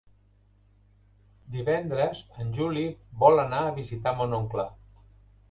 Divendres en Juli vol anar a visitar mon oncle.